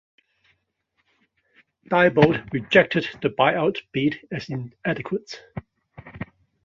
Diebold rejected the buyout bid as inadequate.